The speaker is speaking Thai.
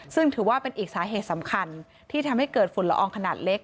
ซึ่งถือว่าเป็นอีกสาเหตุสำคัญที่ทำให้เกิดฝุ่นละอองขนาดเล็ก